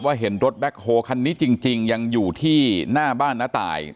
เห็นรถแบ็คโฮคันนี้จริงยังอยู่ที่หน้าบ้านน้าตาย